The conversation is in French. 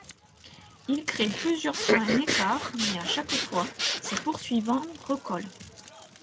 Il crée plusieurs fois un écart mais à chaque fois, ses poursuivants recollent.